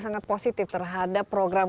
sangat positif terhadap program